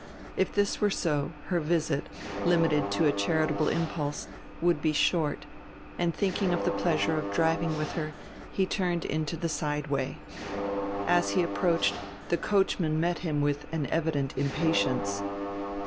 If this were so, her visit, limited to a charitable impulse, would be short; and thinking of the pleasure of driving with her he turned into the side way. As he approached, the coachman met him with an evident impatience.